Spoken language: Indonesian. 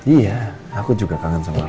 iya aku juga kangen sama